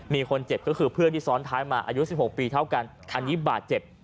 มีคนเจ็บก็คือเพื่อนที่ซ้อนท้ายมาอายุ๑๖ปีเท่ากันอันนี้บาดเจ็บ